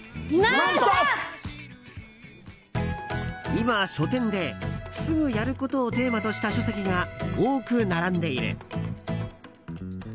今、書店ですぐやることをテーマとした書籍が多く並んでいる。